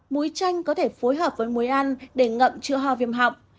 muối chanh có thể phối hợp với muối ăn để ngậm chữa ho viêm họng